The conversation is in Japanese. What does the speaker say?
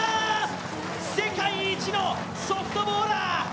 世界一のソフトボーラー。